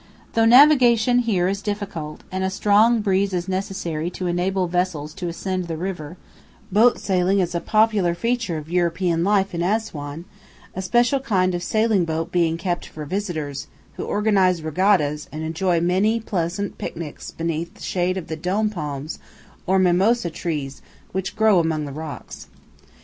Though navigation here is difficult, and a strong breeze is necessary to enable vessels to ascend the river, boat sailing is a popular feature of European life in Assuan, a special kind of sailing boat being kept for visitors, who organize regattas and enjoy many a pleasant picnic beneath the shade of the dôm palms or mimosa trees which grow among the rocks.